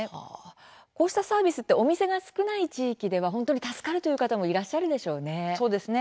こうしたサービスってお店が少ない地域では本当に助かるという方もいらっしゃるでしょうね。